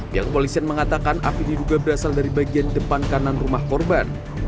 pihak kepolisian mengatakan api diduga berasal dari bagian depan kanan rumah korban